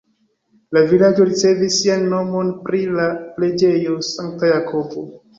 La vilaĝo ricevis sian nomon pri la preĝejo Sankta Jakobo.